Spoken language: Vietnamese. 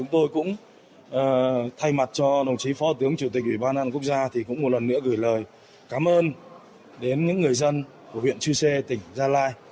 tôi cũng thay mặt cho đồng chí phó tướng chủ tịch ủy ban an quốc gia thì cũng một lần nữa gửi lời cảm ơn đến những người dân của huyện chư sê tỉnh gia lai